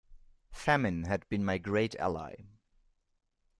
Famine had been my great ally.